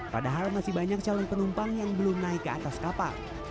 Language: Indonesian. padahal masih banyak calon penumpang yang belum naik ke atas kapal